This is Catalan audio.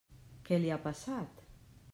Què li ha passat?